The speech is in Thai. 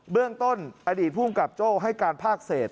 เบื้องต้นอดีตผู้กำกับโจ้ให้การพากเสร็จ